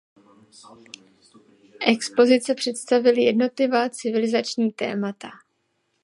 Expozice představily jednotlivá civilizační témata.